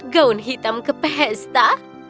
gaun hitam ke pesta